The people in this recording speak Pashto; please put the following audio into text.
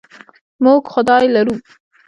موږ خدای لرو.